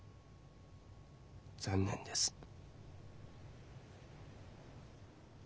残念です。